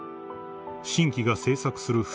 ［新木が制作する縁